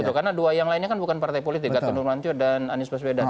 betul karena dua yang lainnya kan bukan partai politik gatot nurmantio dan anies baswedan